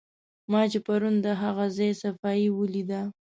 ما چې پرون د هغه ځای صفایي ولیده.